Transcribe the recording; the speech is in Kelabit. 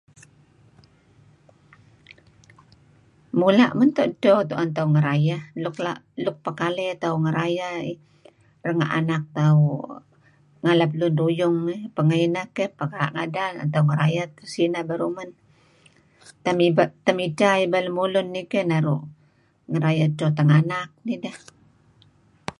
Mula' mento dto' tu'en tauh ngerayeh luk pekaley tauh ngerayeh renga' anak tauh ngalap lun ruyung eh, pengeh ineh keh pekaa' ngadan ngerayeh teh sineh men, temidteh ibal lemulun keh ngerayeh edto tenganak nideh.